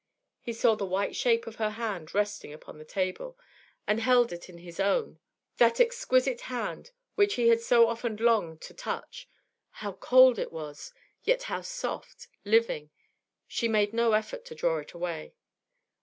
He saw the white shape of her hand resting upon the table, and held it in his own, that exquisite hand which he had so often longed to touch; how cold it was! yet how soft, living! She made no effort to draw it away.